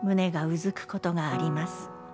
「うずくことがあります」